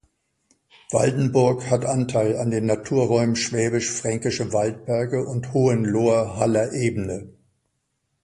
Waldenburg hat Anteil an den Naturräumen Schwäbisch-Fränkische Waldberge und Hohenloher-Haller Ebene.